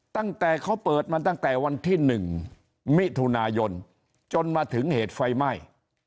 ตั้งแต่เขาเปิดมาตั้งแต่วันที่๑มิถุนายนจนมาถึงเหตุไฟไหม้